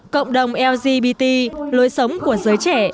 cộng đồng lgbt lối sống của giới trẻ